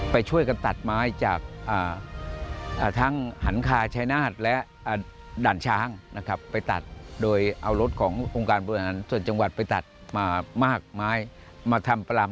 ไปช่วยกันตัดไม้จากทั้งหันคาชายนาฏและด่านช้างนะครับไปตัดโดยเอารถขององค์การบริหารส่วนจังหวัดไปตัดมากไม้มาทำประลำ